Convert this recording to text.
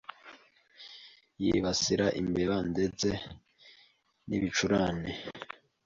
yibasira imbeba ndetse n'ibicurane